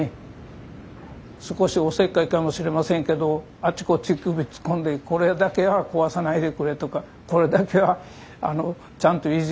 少しお節介かもしれませんけどあちこち首突っ込んで「これだけは壊さないでくれ」とか「これだけはちゃんと維持して下さいよ」